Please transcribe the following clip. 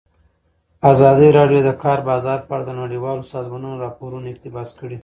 ازادي راډیو د د کار بازار په اړه د نړیوالو سازمانونو راپورونه اقتباس کړي.